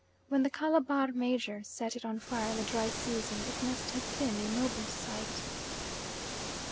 When "the Calabar major" set it on fire in the dry season it must have been a noble sight.